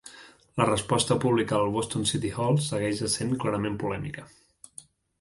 La resposta pública al Boston City Hall segueix essent clarament polèmica.